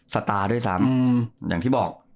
สตาร์ด้วยซ้ำอย่างที่บอก